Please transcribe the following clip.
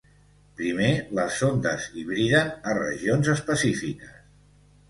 Primer, les sondes hibriden a regions específiques.